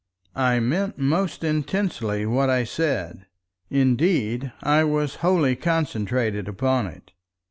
I meant most intensely what I said, indeed I was wholly concentrated upon it.